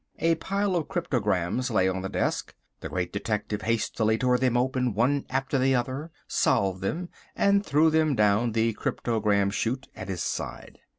A pile of cryptograms lay on the desk. The Great Detective hastily tore them open one after the other, solved them, and threw them down the cryptogram shute at his side.